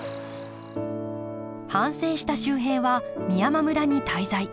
反省した秀平は美山村に滞在。